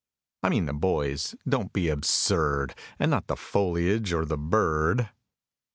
(I mean the boys, don't be absurd! And not the foliage or the bird.)